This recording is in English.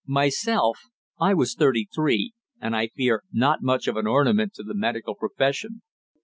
Myself, I was thirty three, and I fear not much of an ornament to the medical profession.